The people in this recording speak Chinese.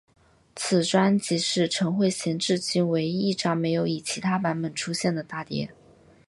此专辑是陈慧娴至今唯一一张没有以其他版本出现的大碟。